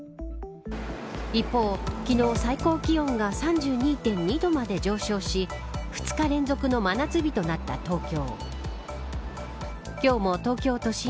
一方、昨日最高気温が３２．２度まで上昇し２日連続の真夏日となった東京。